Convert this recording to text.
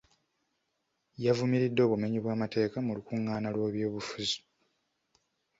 Yavumiridde obumenyi bw'amateeka mu lukungaana lw'ebyobufuzi.